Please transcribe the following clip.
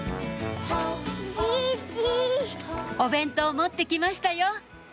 お弁当持ってきましたよ